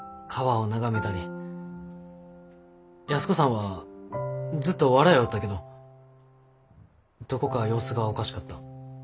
安子さんはずっと笑ようったけどどこか様子がおかしかった。